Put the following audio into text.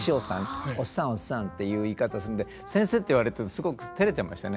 おっさんおっさんっていう言い方するんで「先生」って言われてすごくテレてましたね。